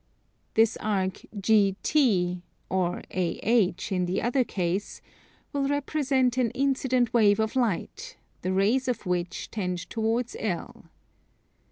This arc GT (or AH, in the other case) will represent an incident wave of light, the rays of which tend towards L.